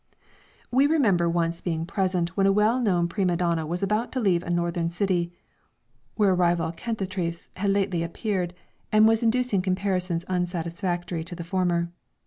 We remember once being present when a well known prima donna was about to leave a northern city, where a rival cantatrice had lately appeared, and was inducing comparisons unsatisfactory to the former.